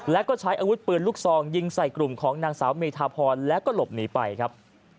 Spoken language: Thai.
แล้วก็ใช้อาวุธปืนลูกซองยิงใส่กลุ่มของนางสาวเมธาพรแล้วก็หลบหนีไปครับ